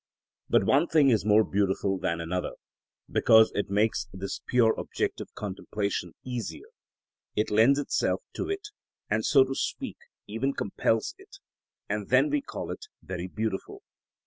But one thing is more beautiful than another, because it makes this pure objective contemplation easier, it lends itself to it, and, so to speak, even compels it, and then we call it very beautiful.